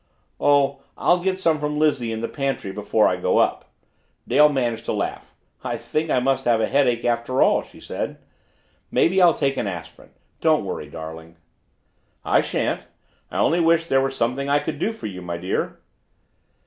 "Oh, I'll get some from Lizzie in the pantry before I go up," Dale managed to laugh. "I think I must have a headache after all," she said. "Maybe I'll take an aspirin. Don't worry, darling." "I shan't. I only wish there were something I could do for you, my dear."